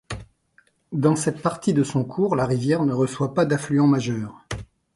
Dans cette partie de son cours, la rivière ne reçoit pas d’affluents majeurs.